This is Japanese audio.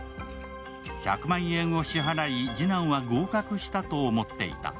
１００万円を支払い、次男は合格したと思っていた。